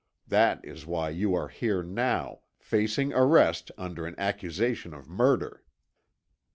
That is why you are here now, facing arrest under an accusation of murder."